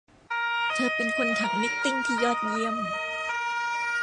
เธอเป็นคนถักนิตติ้งที่ยอดเยี่ยม